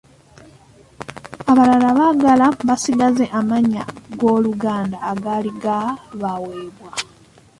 Abalala baagala basigaze amannya g’Oluganda agaali gaabaweebwa.